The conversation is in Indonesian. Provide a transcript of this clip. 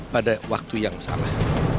pada waktu yang salah